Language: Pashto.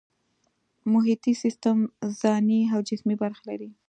محیطي سیستم ځانی او جسمي برخې لري